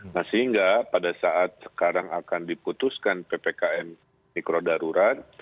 nah sehingga pada saat sekarang akan diputuskan ppkm mikro darurat